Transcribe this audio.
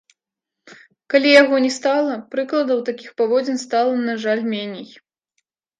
Калі яго не стала, прыкладаў такіх паводзін стала, на жаль, меней.